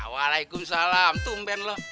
waalaikumsalam tumben lo